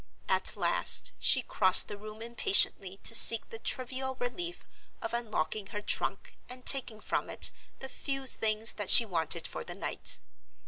At last she crossed the room impatiently to seek the trivial relief of unlocking her trunk and taking from it the few things that she wanted for the night.